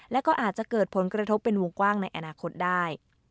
และก็อาจจะเกิดผลกระทบเป็นวงกว้างในอนาคตได้